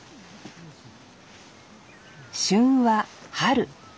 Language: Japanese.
旬は春。